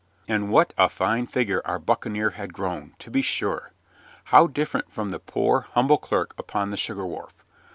And what a fine figure our buccaneer had grown, to be sure! How different from the poor, humble clerk upon the sugar wharf!